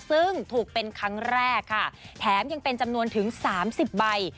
ซึ่งถูกเป็นครั้งแรกค่ะแถมยังเป็นจำนวนถึง๓๐ใบ